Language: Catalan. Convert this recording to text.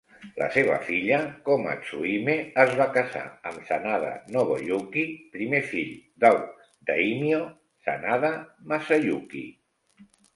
La seva filla, Komatsuhime, es va casar amb Sanada Nobuyuki, primer fill del daimyo Sanada Masayuki.